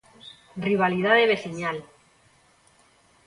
Rivalidade veciñal.